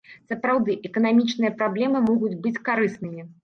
Сапраўды, эканамічныя праблемы могуць быць карыснымі.